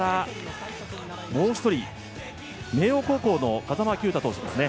もう一人、明桜高校の風間球打投手ですね。